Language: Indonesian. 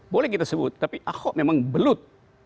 boleh kita sebut tapi ahok memang belut